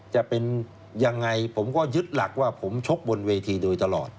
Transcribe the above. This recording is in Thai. จะเป็นยังไงผมก็ยึดหลักว่าผมชกบนเวทีโดยตลอด